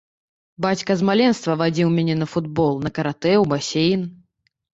Бацька з маленства вадзіў мяне на футбол, на каратэ, у басейн.